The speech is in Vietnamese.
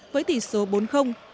với tỷ số bốn